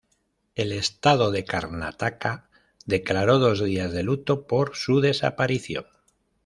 El estado de Karnataka declaró dos días de luto por su desaparición